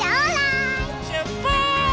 しゅっぱつ！